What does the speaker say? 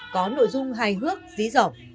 có nội dung hài hước dí dỏ